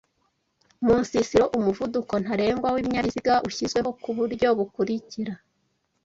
Mu nsisiro umuvuduko ntarengwa w'ibinyabiziga ushyizweho ku buryo bukurikira